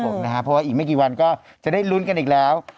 เพราะว่าอีกไม่กี่วันก็จะได้ลุ้นกันอีกแล้ว